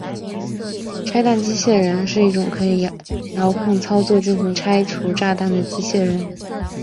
拆弹机械人是一种可以遥控操作进行拆除炸弹的机械人。